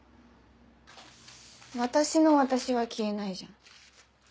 「私の私」は消えないじゃん。